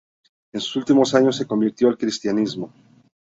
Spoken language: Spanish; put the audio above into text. En sus últimos años se convirtió al Cristianismo.